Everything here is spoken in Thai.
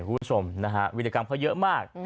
คุณผู้ชมนะฮะวิธีกรรมเขาเยอะมาก